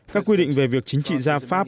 các quy định về việc chính trị gia pháp